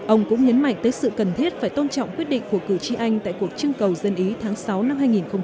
ông cũng nhấn mạnh tới sự cần thiết phải tôn trọng quyết định của cử tri anh tại cuộc trưng cầu dân ý tháng sáu năm hai nghìn một mươi chín